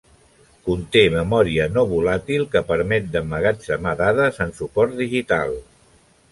Conté memòria no volàtil que permet d'emmagatzemar dades en suport digital.